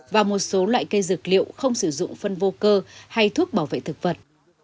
và một số loại cây dược liệu không sử dụng phân vô cơ hay thuốc bảo vệ thực vật